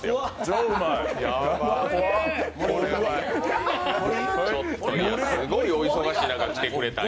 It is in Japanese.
これはすごいお忙しい中来てくれたんや。